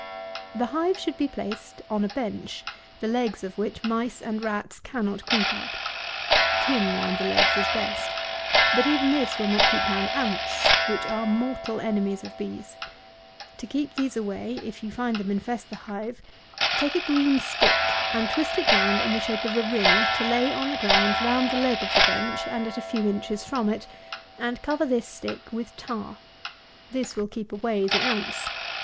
161. The hive should be placed on a bench, the legs of which mice and rats cannot creep up. Tin round the legs is best. But even this will not keep down ants, which are mortal enemies of bees. To keep these away, if you find them infest the hive, take a green stick and twist it round in the shape of a ring to lay on the ground round the leg of the bench, and at a few inches from it; and cover this stick with tar. This will keep away the ants.